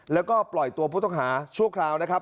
แล้วก็ปล่อยตัวผู้ต้องหาชั่วคราวนะครับ